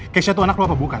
keisha itu anak lo apa bukan